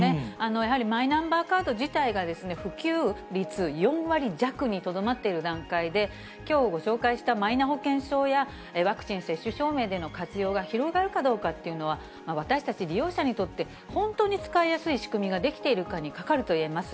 やはりマイナンバーカード自体が、普及率４割弱にとどまっている段階で、きょうご紹介したマイナ保険証や、ワクチン接種証明での活用が広がるかどうかっていうのは、私たち利用者にとって、本当に使いやすい仕組みができているかにかかると言えます。